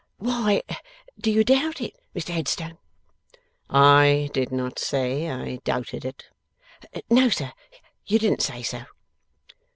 'Why do you doubt it, Mr Headstone?' 'I did not say I doubted it.' 'No, sir; you didn't say so.